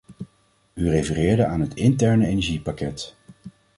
U refereerde aan het interne energiepakket.